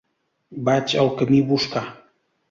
Vaig al camí Boscà.